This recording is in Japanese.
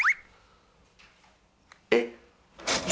えっ？